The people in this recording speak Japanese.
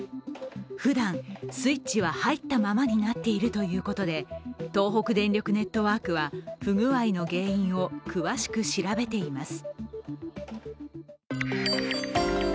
ふだん、スイッチは入ったままになっているということで東北電力ネットワークは不具合の原因を詳しく調べています。